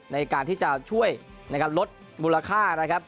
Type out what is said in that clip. ในการที่จะช่วยในการลดมูลค่านะครับ